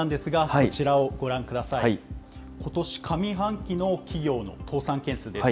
ことし上半期の企業の倒産件数です。